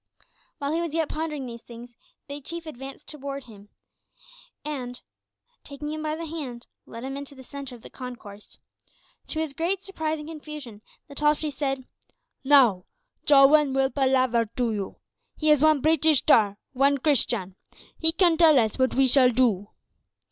While he was yet pondering these things, Big Chief advanced towards him, and, taking him by the hand, led him into the centre of the concourse. To his great surprise and confusion the tall chief said "Now, Jowin will palaver to you. He is one Breetish tar one Christian. He can tell us what we shall do."